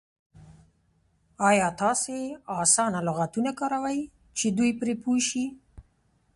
ایا تاسې اسانه لغتونه کاروئ چې دوی پرې پوه شي؟